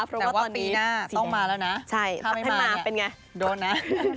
แต่ว่าปีหน้าต้องมาแล้วนะถ้าไม่มาเป็นอย่างไรโดนนะ